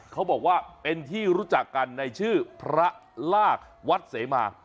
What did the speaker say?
เขาบอกว่าเป็นที่รู้จักกันในชื่อพระลากวัดเสมา